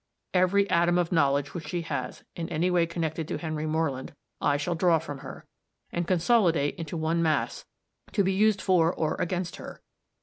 Every atom of knowledge which she has, in any way connected with Henry Moreland, I shall draw from her, and consolidate into one mass, to be used for or against her.